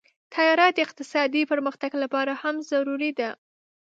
طیاره د اقتصادي پرمختګ لپاره هم ضروري ده.